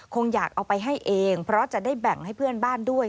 คงอยากเอาไปให้เองเพราะจะได้แบ่งให้เพื่อนบ้านด้วย